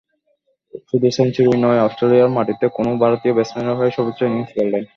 শুধু সেঞ্চুরিই নয়, অস্ট্রেলিয়ার মাটিতে কোনো ভারতীয় ব্যাটসম্যানের হয়ে সর্বোচ্চ ইনিংস গড়লেন।